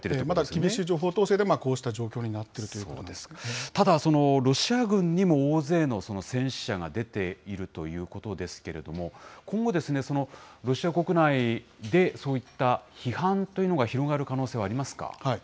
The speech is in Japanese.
また厳しい情報統制でこういった状態になっているということただ、ロシア軍にも大勢の戦死者が出ているということですけれども、今後、ロシア国内で、そういった批判というのが広がる可能性はありますか？